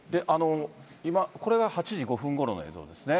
これが８時５分ごろの映像ですね。